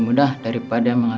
saya harus tunggu sebulan